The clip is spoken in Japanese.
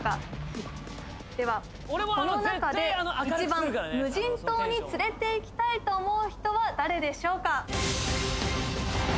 はいではこの中で１番無人島に連れて行きたいと思う人は誰でしょうか？